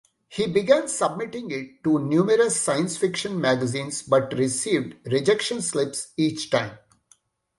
He began submitting it to numerous science-fiction magazines but received rejection slips each time.